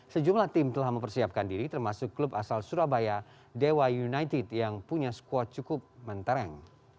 sejumlah tim telah mempersiapkan diri termasuk klub asal surabaya dewa united yang punya squad cukup mentereng